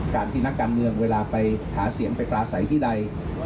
การที่นักการเมืองเวลาไปหาเสียงไปปราศัยที่ใด